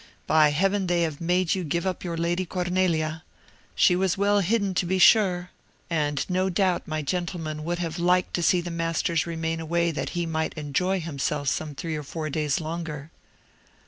by Heaven they have made you give up your Lady Cornelia! She was well hidden, to be sure; and no doubt my gentleman would have liked to see the masters remain away that he might enjoy himself some three or four days longer."